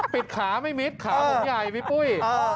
ปีดขาไม่มิสขาของใหญ่มิสปุ้ย